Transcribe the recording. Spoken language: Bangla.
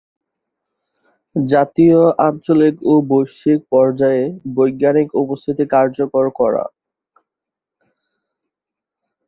জাতীয়, আঞ্চলিক ও বৈশ্বিক পর্যায়ে বৈজ্ঞানিক উপস্থিতি কার্যকর করা।